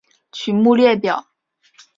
曲目列表